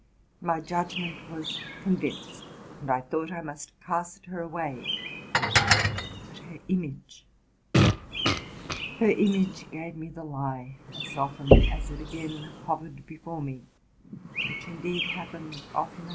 My judgment was convinced, and I thought I must east her away; but her image !— her image gave me the lie as often as it again hovered before me, which indeed hap pened often enough.